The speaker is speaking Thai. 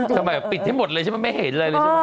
ทำไมปิดให้หมดเลยใช่ไหมไม่เห็นอะไรเลยใช่ไหม